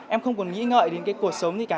em không còn nghĩ ngợi đến cái cuộc sống gì cả